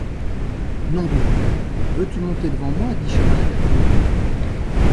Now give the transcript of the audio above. Nom de Dieu! veux-tu monter devant moi ! dit Chaval à Catherine.